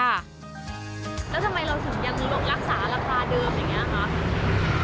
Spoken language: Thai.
แล้วทำไมเราถึงยังรักษาราคาเดิมอย่างนี้คะ